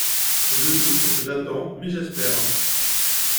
Je doute, j'attends, mais j'espère.